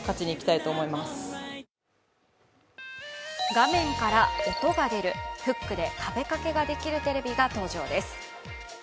画面から音が出るフックで壁掛けができるテレビが登場です。